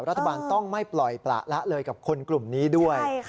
รัฐบาลต้องไม่ปล่อยประละเลยกับคนกลุ่มนี้ด้วย